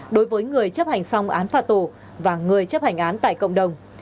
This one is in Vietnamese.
đối với người chấp hành xong án phạt tù và người chấp hành án tại cộng đồng